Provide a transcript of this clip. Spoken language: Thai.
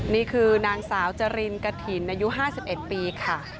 นี่คือนางสาวจรินกระถิ่นอายุ๕๑ปีค่ะ